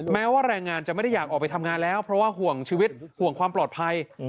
แม้ว่าแรงงานจะไม่ได้อยากออกไปทำงานแล้วเพราะว่าห่วงชีวิตห่วงความปลอดภัย